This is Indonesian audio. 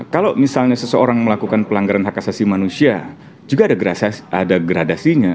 kalau misalnya seseorang melakukan pelanggaran hak asasi manusia juga ada gradasinya